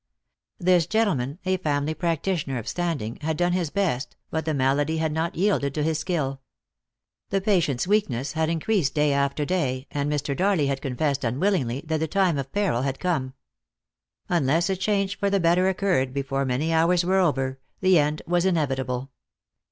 This gentleman, a family practitioner of standing, had done his best, but the malady had not yielded to his skill. The patient's weakness had increased day after day, and Mr. Darley had confessed unwillingly that the time of peril had come. Unless a change for the better occurred before many hours were over, the end was inevitable.